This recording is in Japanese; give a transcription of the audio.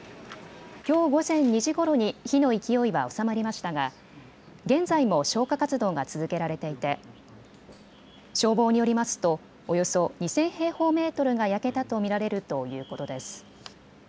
きょう午前２時ごろに火の勢いは収まりましたが現在も消火活動が続けられていて消防によりますとおよそ２０００平方メートルが焼けたと見られるということです。